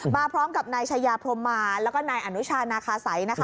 มาพร้อมกับนายชายาพรมมาแล้วก็นายอนุชานาคาสัยนะคะ